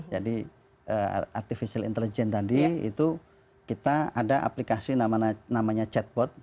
jadi artificial intelligence tadi itu kita ada aplikasi namanya chatbot